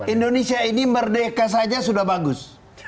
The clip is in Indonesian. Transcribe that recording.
indonesia ini merdeka saja sudah bagus